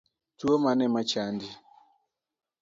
Tuo mane machandi